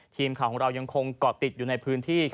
ทีมข่าวของเรายังคงเกาะติดอยู่ในพื้นที่